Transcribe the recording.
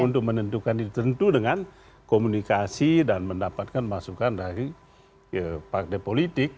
untuk menentukan itu tentu dengan komunikasi dan mendapatkan masukan dari partai politik